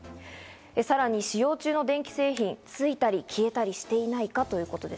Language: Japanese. さらに使用中の電気製品、ついたり消えたりしていないかということです。